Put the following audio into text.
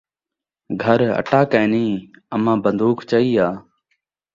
گھر اٹا کینھی ، اماں بن٘دوخ چائی آ